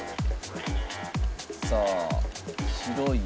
さあ白い？